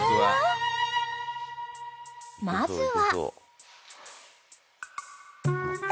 ［まずは］